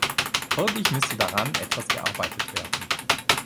Folglich müsste daran etwas gearbeitet werden.